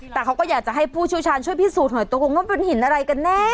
แต่เขาก็อยากจะให้ผู้ชูชาญช่วยพิสูจน์หน่อยตรงมันเป็นหินอะไรกันเนี่ย